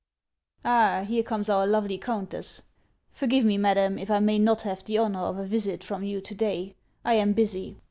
Ah, here conies our lovely countess ! Forgive me, Madam, if 1 may not have the honor of a visit from you to day. I am busy.